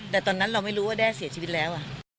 แต่ตอนนั้นเราไม่รู้ว่าแด้เสียชีวิตแล้ว